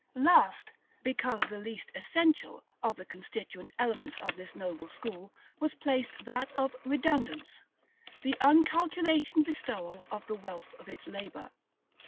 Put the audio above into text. " § LXXVIII. Last, because the least essential, of the constituent elements of this noble school, was placed that of REDUNDANCE, the uncalculating bestowal of the wealth of its labor.